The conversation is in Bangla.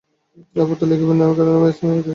আর পত্র লিখিবেন না, কারণ আমি এস্থান হইতে চলিলাম।